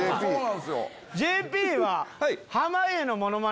ＪＰは。